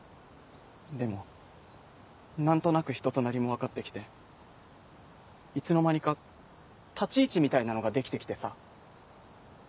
でも何となく人となりも分かってきていつの間にか立ち位置みたいなのができてきてさ。